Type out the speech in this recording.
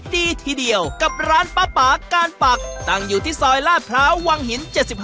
ดีทีเดียวกับร้านป๊าการปักตั้งอยู่ที่ซอยลาดพร้าววังหิน๗๖